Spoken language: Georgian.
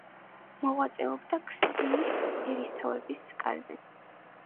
მოღვაწეობდა ქსნის ერისთავების კარზე.